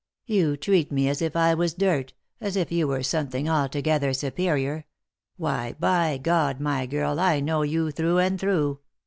You treat me as if I was dirt, as if you were something altogether superior — why, by God, my girl, I know you through and through.